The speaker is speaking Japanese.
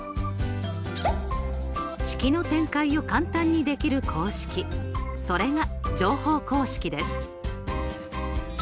式の展開を簡単にできる公式それが乗法公式です。